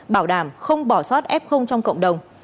bảo đảm không bỏ soát f trong cộng đồng